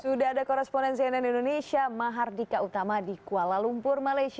sudah ada koresponen cnn indonesia mahardika utama di kuala lumpur malaysia